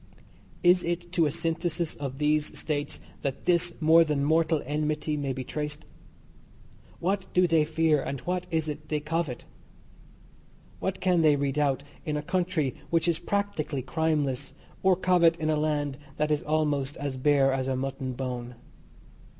Is it to a synthesis of these states that this more than mortal enmity may be traced? What do they fear, and what is it they covet? What can they redoubt in a country which is practically crimeless, or covet in a land that is almost as bare as a mutton bone?